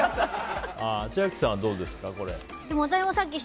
千秋さんはどうですか？